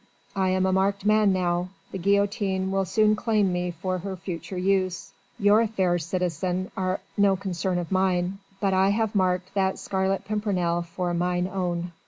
I am a marked man now the guillotine will soon claim me for her future use. Your affairs, citizen, are no concern of mine, but I have marked that Scarlet Pimpernel for mine own.